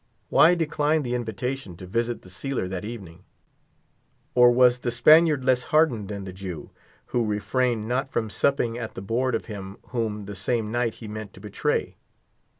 Why decline the invitation to visit the sealer that evening? Or was the Spaniard less hardened than the Jew, who refrained not from supping at the board of him whom the same night he meant to betray?